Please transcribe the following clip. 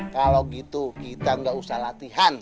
kalau gitu kita nggak usah latihan